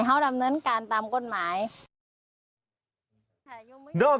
จับมับเขาให้